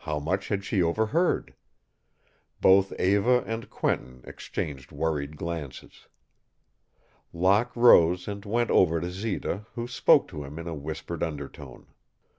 How much had she overheard? Both Eva and Quentin exchanged worried glances. Locke rose and went over to Zita, who spoke to him in a whispered undertone.